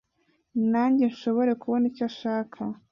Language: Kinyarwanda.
nanjye nshobore kubona icyo ashaka